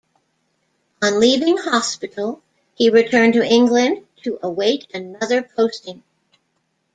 On leaving hospital he returned to England to await another posting.